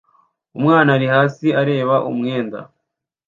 Umwana ari hasi areba umwenda